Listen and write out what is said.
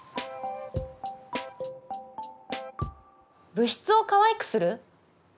部室をかわいくする？